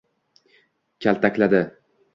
Kaltakladi